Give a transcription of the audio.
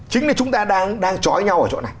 chính là chúng ta đang trói nhau ở chỗ này